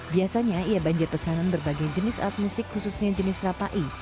biasanya ia banjir pesanan berbagai jenis alat musik khususnya jenis rapai